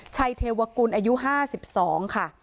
เทวกุลอายุ๕๒ค่ะ